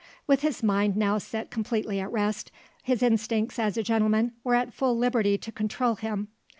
With his mind now set completely at rest, his instincts as a gentleman were at full liberty to control him.